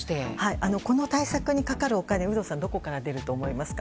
この対策にかかるお金は有働さんどこから出ると思いますか。